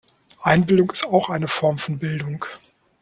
Einbildung ist auch eine Form von Bildung.